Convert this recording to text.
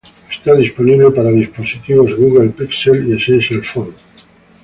Está disponible para dispositivos Google Pixel y Essential Phone.